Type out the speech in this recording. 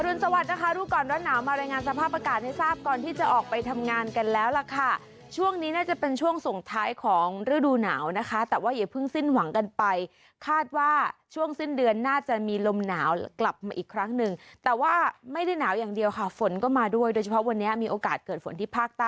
รุนสวัสดินะคะรู้ก่อนร้อนหนาวมารายงานสภาพอากาศให้ทราบก่อนที่จะออกไปทำงานกันแล้วล่ะค่ะช่วงนี้น่าจะเป็นช่วงส่งท้ายของฤดูหนาวนะคะแต่ว่าอย่าเพิ่งสิ้นหวังกันไปคาดว่าช่วงสิ้นเดือนน่าจะมีลมหนาวกลับมาอีกครั้งหนึ่งแต่ว่าไม่ได้หนาวอย่างเดียวค่ะฝนก็มาด้วยโดยเฉพาะวันนี้มีโอกาสเกิดฝนที่ภาคใต้